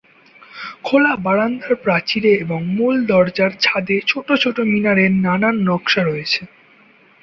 খোলা বারান্দার প্রাচীরে এবং মূল দরজার ছাদে ছোট ছোট মিনারের নানান নকশা রয়েছে।